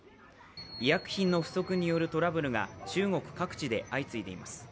医薬品の不足によるトラブルが中国各地で相次いでいます。